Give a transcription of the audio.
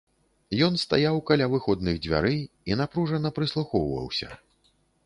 Ён стаяў каля выходных дзвярэй і напружана прыслухоўваўся.